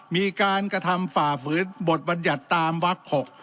มีการกระทำฝ่าฝืนบทบัญญัติตามวัก๖